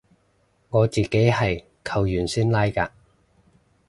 我自己係扣完先拉嘅